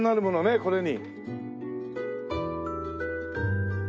これに。